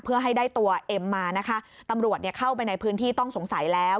เพื่อให้ได้ตัวเอ็มมานะคะตำรวจเนี่ยเข้าไปในพื้นที่ต้องสงสัยแล้ว